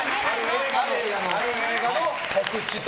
ある映画の告知と。